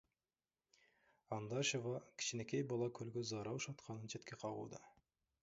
Андашева кичинекей бала көлгө заара ушатканын четке кагууда.